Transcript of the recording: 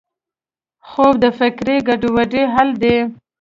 خوب د فکري ګډوډۍ حل دی